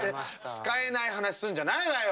使えない話するんじゃないわよ。